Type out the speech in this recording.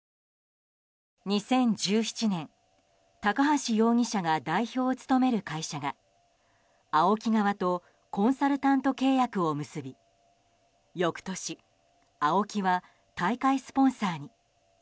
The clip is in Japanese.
２０１７年、高橋容疑者が代表を務める会社がＡＯＫＩ側とコンサルタント契約を結び翌年、ＡＯＫＩは大会スポンサーに。